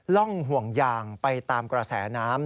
ร่องห่วงยางไปตามกระแสน้ำ